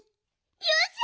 よっしゃ！